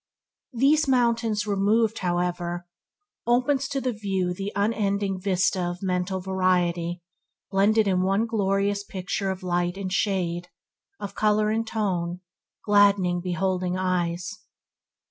These mountains removed, however, there opens to the view the unending vista of mental variety blended in one glorious picture of light and shade, of colour and tone, gladdening beholding eyes.